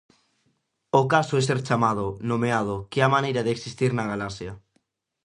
O caso é ser chamado, nomeado, que é a maneira de existir na galaxia.